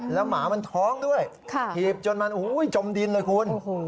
แล้วหมามันท้องด้วยถีบจนมันจมดินเลยคุณ